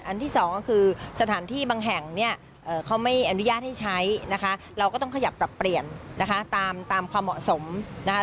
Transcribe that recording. ที่สองก็คือสถานที่บางแห่งเนี่ยเขาไม่อนุญาตให้ใช้นะคะเราก็ต้องขยับปรับเปลี่ยนนะคะตามความเหมาะสมนะคะ